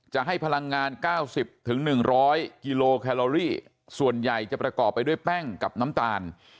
จะให้พลังงาน๙๐๑๐๐กิโลแคลอรี่ส่วนใหญ่จะประกอบไปด้วยแป้งกับน้ำตาล